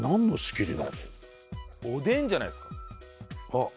あっ！